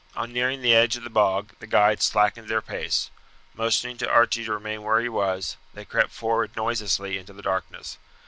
On nearing the edge of the bog the guides slackened their pace. Motioning to Archie to remain where he was, they crept forward noiselessly into the darkness.